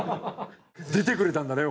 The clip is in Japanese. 出てくれたんだね